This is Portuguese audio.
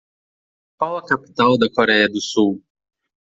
Qual a capital da Coreia do Sul?